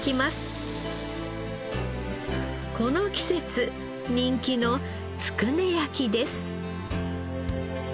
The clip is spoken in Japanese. この季節人気のつくね焼きです。